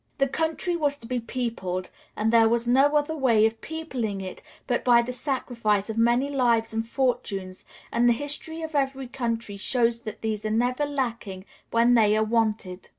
The country was to be peopled, and there was no other way of peopling it but by the sacrifice of many lives and fortunes; and the history of every country shows that these are never lacking when they are wanted.